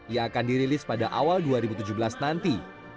yang akan dirilis pada awal dua ribu tujuh belas nanti